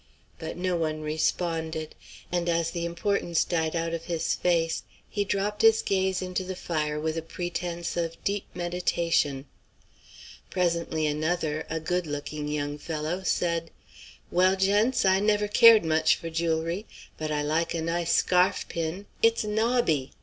But no one responded; and as the importance died out of his face he dropped his gaze into the fire with a pretence of deep meditation. Presently another, a good looking young fellow, said: "Well, gents, I never cared much for jewelry. But I like a nice scarf pin; it's nobby.